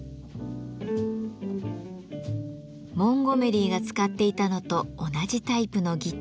モンゴメリーが使っていたのと同じタイプのギター。